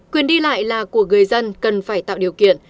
quyền đi lại là của người dân cần phải tạo điều kiện